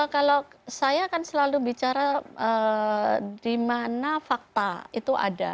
kalau saya kan selalu bicara di mana fakta itu ada